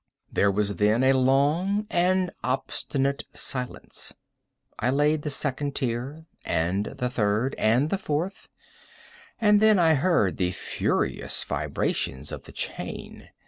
There was then a long and obstinate silence. I laid the second tier, and the third, and the fourth; and then I heard the furious vibrations of the chain.